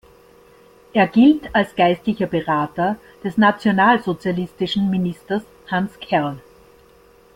Er gilt als geistlicher Berater des nationalsozialistischen Ministers Hanns Kerrl.